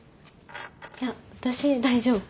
いや私大丈夫。